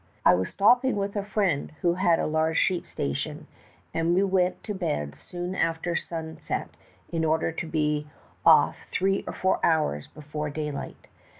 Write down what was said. "I was stopping with a friend who had a large sheep station, and we went to bed soon after sun set in order to be off three or four hours before daylight.